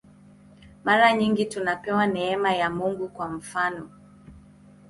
Mara nyingi tunapewa neema ya mwanga, kwa mfanof.